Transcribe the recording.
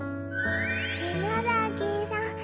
篠崎さん